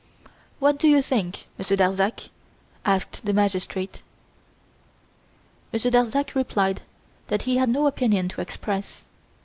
"What do you think, Monsieur Darzac?" asked the magistrate. Monsieur Darzac replied that he had no opinion to express.